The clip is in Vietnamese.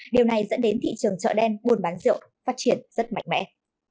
điều này dẫn đến thị trường chợ đen buôn bán rượu phát triển rất mạnh mẽ